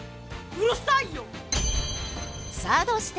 うるさいよ！